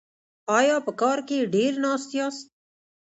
ایا په کار کې ډیر ناست یاست؟